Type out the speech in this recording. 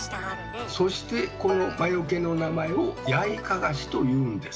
そしてこの魔よけの名前を「ヤイカガシ」というんです。